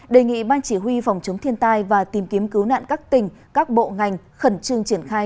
đề nghị ban chỉ huy phòng chống thiên tai và tìm kiếm cứu nạn các tỉnh các bộ ngành khẩn trương triển khai